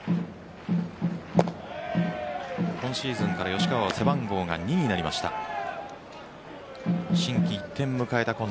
今シーズンから吉川は背番号が２になりました。